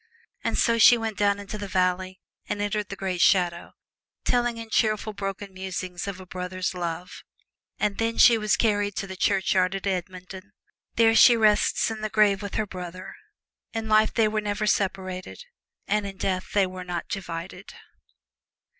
And so she went down into the valley and entered the great shadow, telling in cheerful, broken musings of a brother's love. And then she was carried to the churchyard at Edmonton. There she rests in the grave with her brother. In life they were never separated, and in death they are not divided.